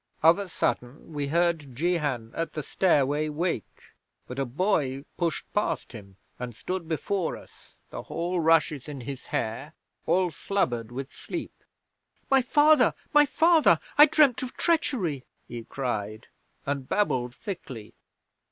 'Of a sudden we heard Jehan at the stairway wake, but a boy pushed past him, and stood before us, the hall rushes in his hair, all slubbered with sleep. "My father! My father! I dreamed of treachery," he cried, and babbled thickly.